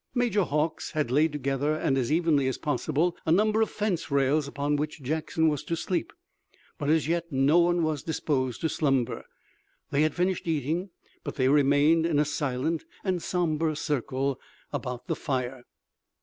Major Hawks had laid together and as evenly as possible a number of fence rails upon which Jackson was to sleep, but as yet no one was disposed to slumber. They had finished eating, but they remained in a silent and somber circle about the fire.